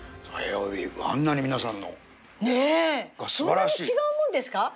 そんなに違うものですか？